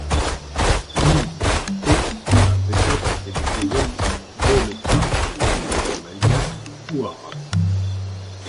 L'île inhabitée a peut-être été découverte dès le par des navigateurs malgaches ou arabes.